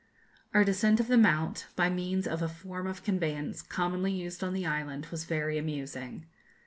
Our descent of the Mount, by means of a form of conveyance commonly used on the island, was very amusing.